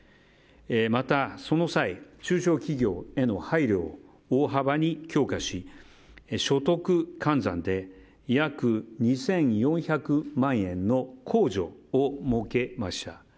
またその際、中小企業への配慮を大幅に強化し所得換算で約２４００万円の控除を設けました。